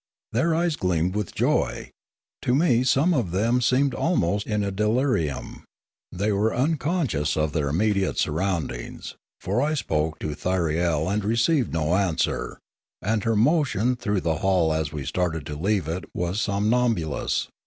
Their eyes gleamed with joy; to me some of them seemed almost in a delirium; they were unconscious The Firla, or Electric Sense 141 of their immediate surroundings, for I spoke to Thyriel and received no answer, and her motion through the hall as we started to leave it was somnambulous.